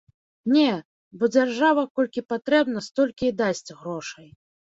Не, бо дзяржава, колькі патрэбна, столькі і дасць грошай.